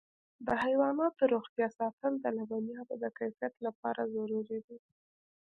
د حیواناتو روغتیا ساتل د لبنیاتو د کیفیت لپاره ضروري دي.